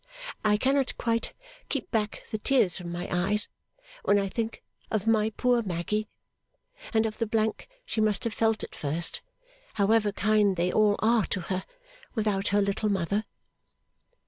I cannot quite keep back the tears from my eyes when I think of my poor Maggy, and of the blank she must have felt at first, however kind they all are to her, without her Little Mother.